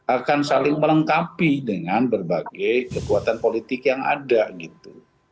akan saling melengkapi dengan berbagai kekuatan politik yang ada gitu